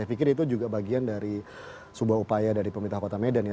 saya pikir itu juga bagian dari sebuah upaya dari pemerintah kota medan ya